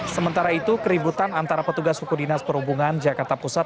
sementara itu keributan antara petugas suku dinas perhubungan jakarta pusat